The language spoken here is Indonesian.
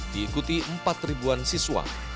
diikuti empat ribuan siswa